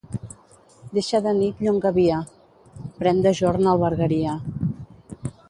Deixa de nit llonga via; pren dejorn albergueria.